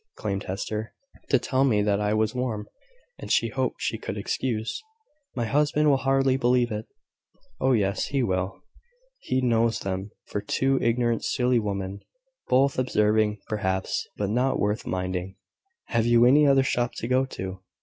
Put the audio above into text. exclaimed Hester. "To tell me that I was warm, and she hoped she could excuse! My husband will hardly believe it." "Oh, yes, he will. He knows them for two ignorant, silly women; worth observing, perhaps, but not worth minding. Have you any other shop to go to?"